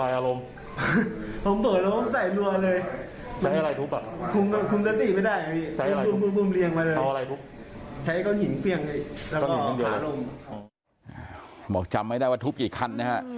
ใช้ก้อนหินเพียงเลยแล้วก็หาลมบอกจำไม่ได้ว่าทุบกี่คันนะฮะ